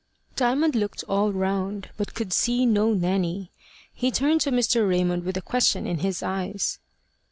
Diamond looked all round, but could see no Nanny. He turned to Mr. Raymond with a question in his eyes.